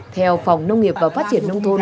theo phòng nông nghiệp và phát triển nông thôn